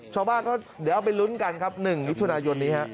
ชาวบ้านก็เดี๋ยวเอาไปลุ้นกันครับ๑มิถุนายนนี้ฮะ